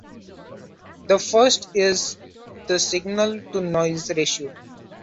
The first is the signal-to-noise ratio.